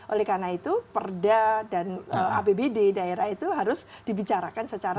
oleh karena itu perda dan apbd daerah itu harus dibicarakan secara